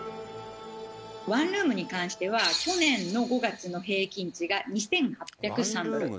ワンルームに関しては去年の５月の平均値が２８０３ドル。